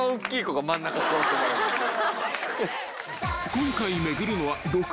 ［今回巡るのは］